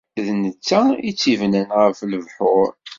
D netta i tt-ibnan ɣef lebḥur.